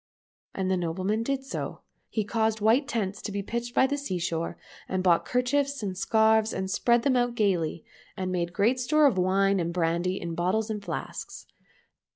And the nobleman did so. He caused white tents to be pitched by the sea shore, and bought kerchiefs and scarves and spread them out gaily, and made great store of wine and brandy in bottles and flasks.